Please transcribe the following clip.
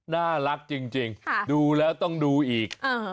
น่ารักจริงดูแล้วต้องดูอีก